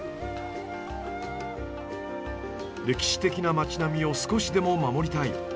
歴史的な町並みを少しでも守りたい。